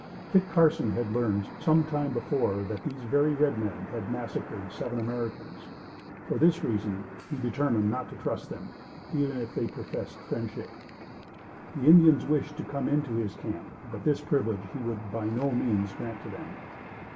Kit Carson had learned some time before that these very red men had massacred seven Americans. For this reason he determined not to trust them, even if they professed friendship. The Indians wished to come into his camp, but this privilege he would by no means grant to them.